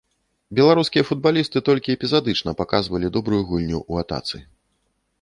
Беларускія футбалісты толькі эпізадычна паказвалі добрую гульню ў атацы.